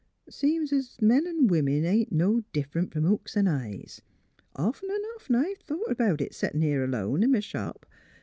Seems 's 'o' men an' women ain't no differ 'nt from hooks 'n' eyes; often an' often I've thought about it, settin' here alone in m' shop.